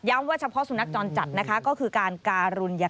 ย้ำว่าเฉพาะสุนัขจรจัดก็คือการการรุญคา